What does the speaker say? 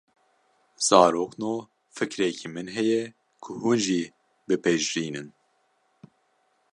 Zarokno, fikrekî min heye ku hûn jî pipejrînin